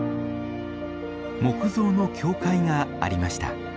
木造の教会がありました。